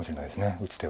打つ手は。